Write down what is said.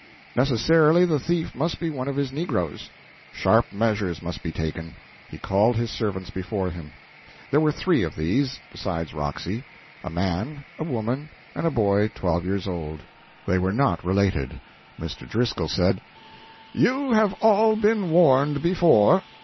Necessarily the thief must be one of his negroes. Sharp measures must be taken. He called his servants before him. There were three of these, besides Roxy: a man, a woman, and a boy twelve years old. They were not related. Mr. Driscoll said: "You have all been warned before.